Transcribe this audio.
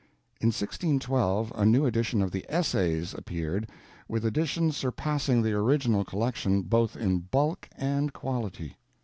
In 1612 a new edition of the Essays appeared, with additions surpassing the original collection both in bulk and quality.